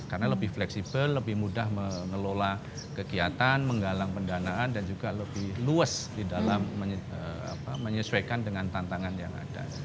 karena lebih fleksibel lebih mudah mengelola kegiatan menggalang pendanaan dan juga lebih luas di dalam menyesuaikan dengan tantangan yang ada